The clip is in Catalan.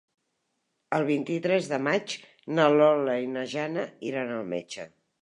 El vint-i-tres de maig na Lola i na Jana iran al metge.